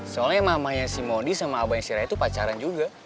soalnya mamanya si modi sama abangnya si raya tuh pacaran juga